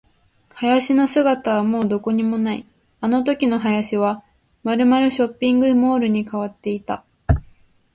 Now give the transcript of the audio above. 林の姿はもうどこにもない。あのときの林はまるまるショッピングモールに変わっていた。